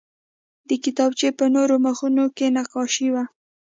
د کتابچې په نورو مخونو کې نقاشي وه